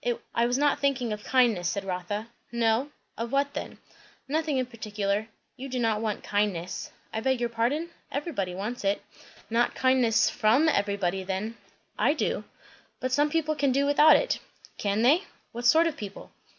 "I was not thinking of kindness," said Rotha. "No? Of what then? "Nothing in particular. You do not want kindness." "I beg your pardon. Everybody wants it." "Not kindness from everybody then." "I do." "But some people can do without it." "Can they? What sort of people?"